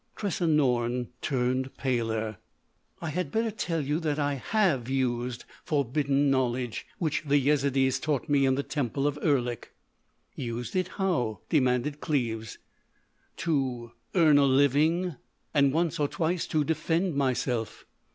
Tressa Norne turned paler: "I had better tell you that I have used—forbidden knowledge—which the Yezidees taught me in the temple of Erlik." "Used it how?" demanded Cleves. "To—to earn a living.... And once or twice to defend myself."